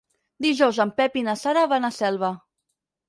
Dijous en Pep i na Sara van a Selva.